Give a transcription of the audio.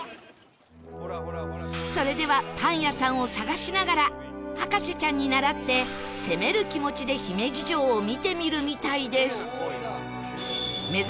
それではパン屋さんを探しながら博士ちゃんにならって攻める気持ちで姫路城を見てみるみたいです